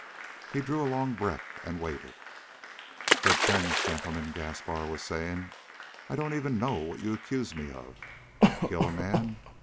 He drew a long breath and waited. "Good friends, gentlemen," Gaspar was saying, "I don't even know what you accuse me of. Kill a man?